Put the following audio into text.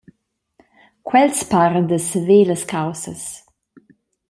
Quels paran da saver las caussas.